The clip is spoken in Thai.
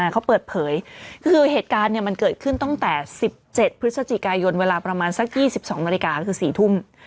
เกิดขึ้นตั้งแต่๑๗พฤศจิกายนเวลาประมาณสัก๒๒นคือ๔ทุ่ม